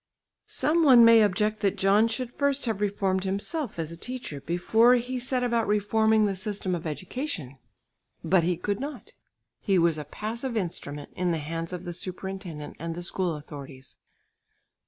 Some one may object that John should first have reformed himself as teacher, before he set about reforming the system of education; but he could not; he was a passive instrument in the hands of the superintendent and the school authorities.